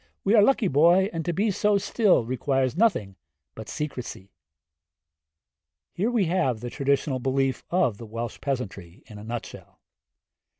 We are lucky, boy, and to be so still, requires nothing but secrecy.' Here we have the traditional belief of the Welsh peasantry in a nut shell.